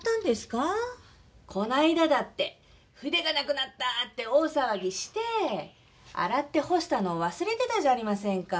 こないだだって「筆がなくなった」って大さわぎしてあらってほしたのをわすれてたじゃありませんか。